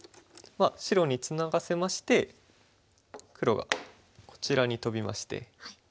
白にツナがせまして黒がこちらにトビまして。